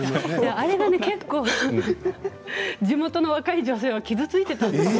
あれが結構、地元の若い女性は傷ついていたんですよ。